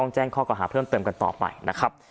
พระเจ้าอาวาสกันหน่อยนะครับ